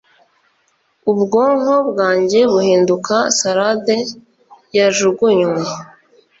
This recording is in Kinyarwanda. ubwonko bwanjye buhinduka salade yajugunywe